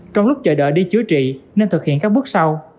trong lúc chờ đợi đi chữa trị nên thực hiện các bước sau